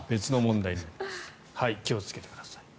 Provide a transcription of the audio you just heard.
気をつけてください。